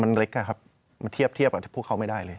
มันเล็กอะครับมันเทียบกับพวกเขาไม่ได้เลย